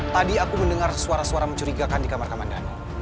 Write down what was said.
tadi aku mendengar suara suara mencurigakan di kamar kamandan